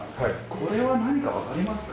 これは何かわかりますか？